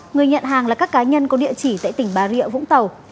người nhận hàng là các cá nhân có địa chỉ tại tỉnh bà rịa vũng tàu